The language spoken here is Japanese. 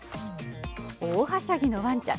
大はしゃぎのわんちゃん。